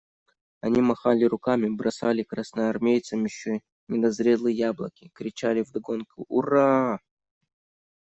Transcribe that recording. Они махали руками, бросали красноармейцам еще недозрелые яблоки, кричали вдогонку «ура».